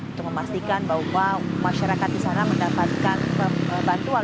untuk memastikan bahwa masyarakat di sana mendapatkan bantuan